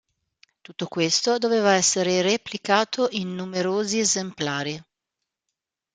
Tutto questo doveva essere replicato in numerosi esemplari.